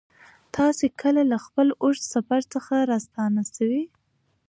تاسې کله له خپل اوږد سفر څخه راستانه سوئ؟